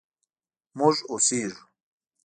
مونږ اوسیږو